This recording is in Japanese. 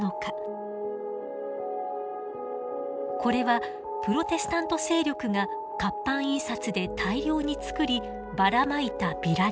これはプロテスタント勢力が活版印刷で大量に作りばらまいたビラです。